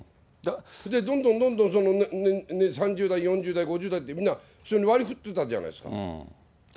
で、どんどんどんどん３０代、４０代、５０代って、みんな、割りふってたじゃないですか。